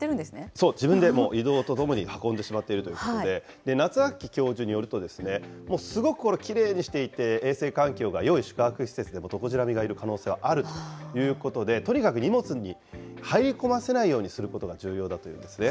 そう、自分で移動とともに運んでしまっているということで、夏秋教授によると、すごくこれ、きれいにしていて、衛生環境がよい宿泊施設でも、トコジラミがいる可能性はあるということで、とにかく荷物に入り込ませないようにすることが重要だというんですね。